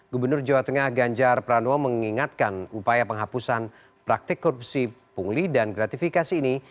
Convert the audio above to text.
gubernur jawa tengah ganjar pranowo mengingatkan upaya penghapusan praktik korupsi pungli dan gratifikasi ini